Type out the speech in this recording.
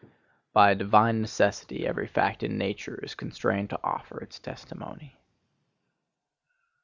By a divine necessity every fact in nature is constrained to offer its testimony.